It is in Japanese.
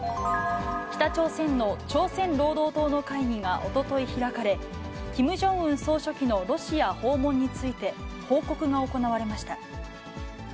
北朝鮮の朝鮮労働党の会議がおととい開かれ、キム・ジョンウン総書記のロシア訪問について、報告が行われました。